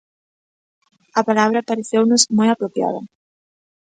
A palabra pareceunos moi apropiada.